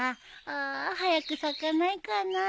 あ早く咲かないかなあ。